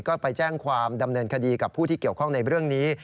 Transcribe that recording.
ก็ไปแจ้งความดำเนินคดีกับผู้ที่เกี่ยวข้องในเรื่องนี้